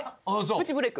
プチブレイク。